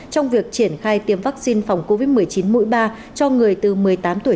trong việc triển khai tiêm vaccine phòng covid một mươi chín mũi ba cho người từ một mươi tám tuổi